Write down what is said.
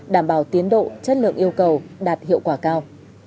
đảm bảo tiến độ chất lượng yêu cầu đạt hiệu quả cao